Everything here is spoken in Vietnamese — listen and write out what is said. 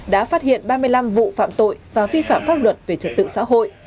đã phát hiện ba mươi năm vụ phạm tội và vi phạm pháp luật về trật tự xã hội